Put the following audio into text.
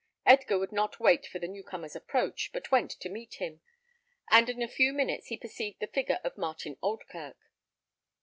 Edgar would not wait for the new comer's approach, but went to meet him, and in a few minutes he could perceive the figure of Martin Oldkirk.